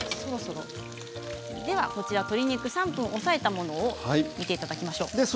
鶏肉、３分押さえたものを見ていただきましょう。